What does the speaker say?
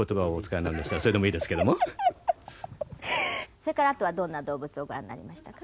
それからあとはどんな動物をご覧になりましたか？